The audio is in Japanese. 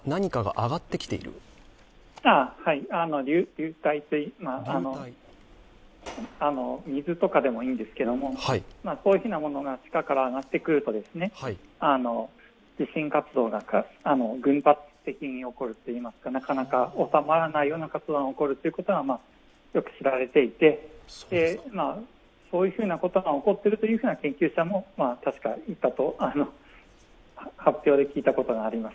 流体、水とかでもいいんですけどそういうふうなものが地下から上がってくると、地震活動が群発的に起こるといいますか、なかなか収まらないような活動が起こることはよく知られていてそういうふうなことが起こっているというような研究者も確かいたと思います